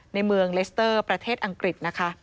ในเมืองเลสเตอร์ประเทศอังกฤษนะคะ